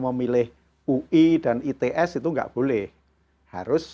memilih ui dan its itu nggak boleh harus